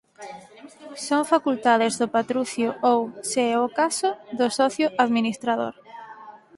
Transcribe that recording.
Son facultades do patrucio ou, se é o caso, do socio administrador